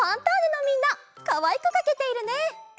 かわいくかけているね！